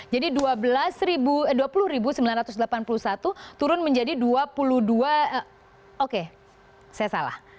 jadi rp dua puluh sembilan ratus delapan puluh satu turun menjadi rp dua puluh dua oke saya salah